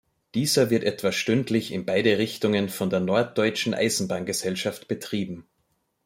Dieser wird etwa stündlich in beide Richtungen von der Norddeutschen Eisenbahngesellschaft betrieben.